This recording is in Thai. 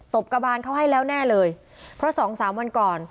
บกระบานเขาให้แล้วแน่เลยเพราะสองสามวันก่อน